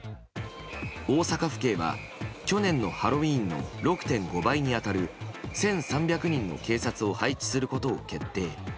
大阪府警は去年のハロウィーンの６．５倍に当たる１３００人の警察を配置することを決定。